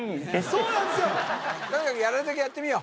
そうなんですよ